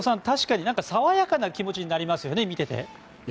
確かに爽やかな気持ちになりますよね。